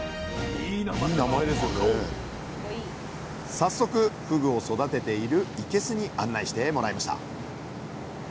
早速ふぐを育てているいけすに案内してもらいました。